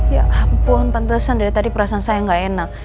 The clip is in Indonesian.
ya ampun pantesan dari tadi perasaan saya gak enak